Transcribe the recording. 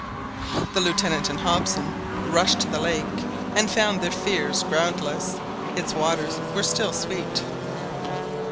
The Lieutenant and Hobson rushed to the lake and found their fears groundless. Its waters were still sweet.